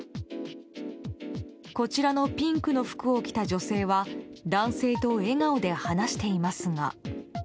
こちらのピンクの服を着た女性は男性と笑顔で話していますが。